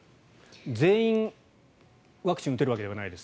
全員、ワクチンを打てるわけではないです。